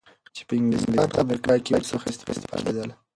چی په انګلستان او امریکا کی ورڅخه اسفتاده کیدل